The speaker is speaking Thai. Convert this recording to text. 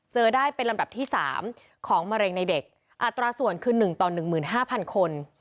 เจอได้เป็นลำดับที่๓ของมะเร็งในเด็กอัตราส่วนคือ๑ต่อ๑๕๐๐คน